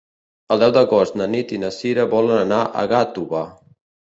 El deu d'agost na Nit i na Sira volen anar a Gàtova.